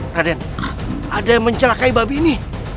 raden ada yang mencelakai babi ini